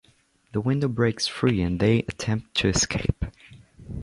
The window breaks free and they attempt to escape.